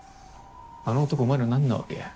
あの男お前の何なわけ？